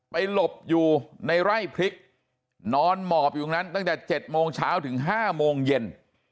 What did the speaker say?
หลบอยู่ในไร่พริกนอนหมอบอยู่ตรงนั้นตั้งแต่๗โมงเช้าถึง๕โมงเย็น